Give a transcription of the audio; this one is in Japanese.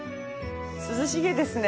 涼しげですね。